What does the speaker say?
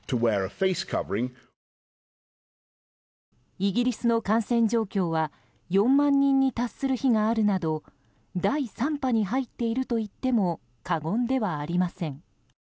イギリスの感染状況は４万人に達する日があるなど第３波に入っていると言っても過言ではありません。